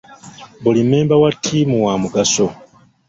Buli member wa tiimu wa mugaso.